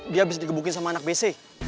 dia abis digebukin sama anak bc